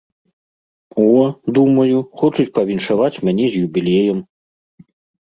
О, думаю, хочуць павіншаваць мяне з юбілеем.